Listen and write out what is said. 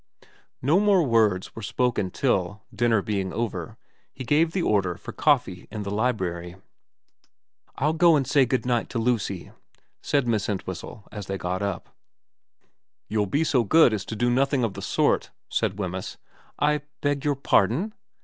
No more words were spoken till, dinner being over, he gave the order for coffee in the library. ' I'll go and say good night to Lucy,' said Miss Entwhistle as they got up. * You'll be so good as to do nothing of the sort,' said Wemyss. ' I beg your pardon